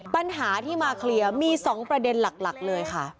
ปัญหาที่มาเคลียร์มี๒ประเด็นหลักเลยค่ะ